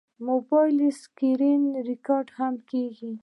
موبایل کې سکرینریکارډ هم کېږي.